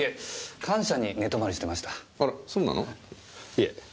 いえ。